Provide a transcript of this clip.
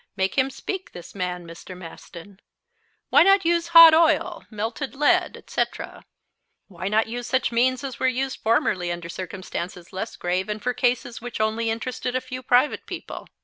Make him speak, this man, Mr. Maston. Why not use hot oil, melted lead, etc.? Why not use such means as were used formerly under circumstances less grave and for cases which only interested a few private people?